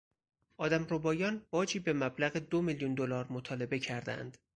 آدمربایان باجی به مبلغ دو میلیون دلار مطالبه کردهاند.